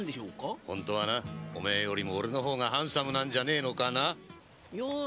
本当はな、おめえよりも俺のほうがハンサムなんじゃねえのかな。